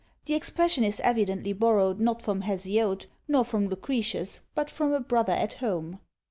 The expression is evidently borrowed not from Hesiod, nor from Lucretius, but from a brother at home.